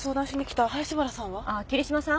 桐嶋さん？